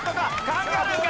カンガルーか？